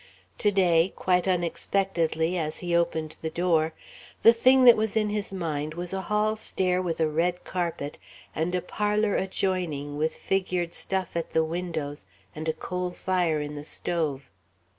To day, quite unexpectedly, as he opened the door, the thing that was in his mind was a hall stair with a red carpet, and a parlour adjoining with figured stuff at the windows and a coal fire in the stove....